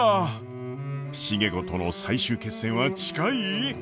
重子との最終決戦は近い？